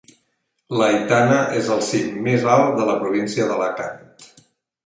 L'Aitana és el cim més alt de la província d'Alacant.